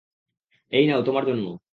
এই নাও তোমার জন্য।